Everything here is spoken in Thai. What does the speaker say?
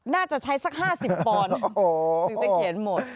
น่าจะใช้สัก๕๐ปอนด์ถึงจะเขียนหมด